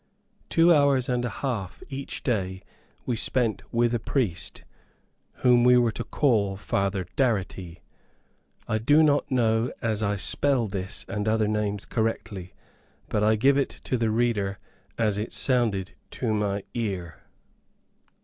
Two hours and a half each day we spent with a priest, whom we were taught to call Father Darity (I do not know as I spell this and other names correctly, but I give it to the reader as it sounded to my ear).